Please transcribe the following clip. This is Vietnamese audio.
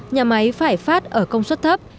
nhà máy phải phát ở công suất thấp